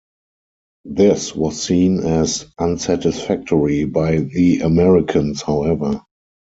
This was seen as unsatisfactory by the Americans however.